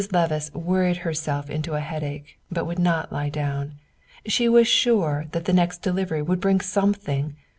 Levice worried herself into a headache, but would not lie down. She was sure that the next delivery would bring something.